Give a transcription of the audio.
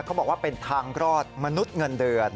เขาบอกว่าเป็นทางรอดมนุษย์เงินเดือน